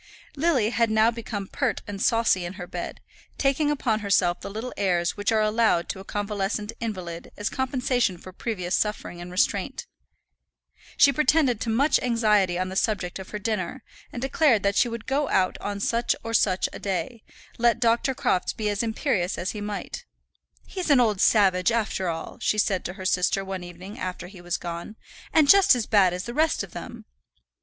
Lily had now become pert and saucy in her bed, taking upon herself the little airs which are allowed to a convalescent invalid as compensation for previous suffering and restraint. She pretended to much anxiety on the subject of her dinner, and declared that she would go out on such or such a day, let Dr. Crofts be as imperious as he might. "He's an old savage, after all," she said to her sister, one evening, after he was gone, "and just as bad as the rest of them."